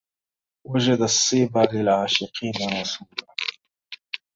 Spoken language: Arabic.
وجد الصبا للعاشقين رسولا